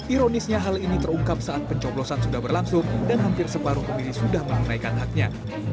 ironisnya hal ini terungkap saat pencoblosan sudah berlangsung dan hampir separuh pemilih sudah menunaikan haknya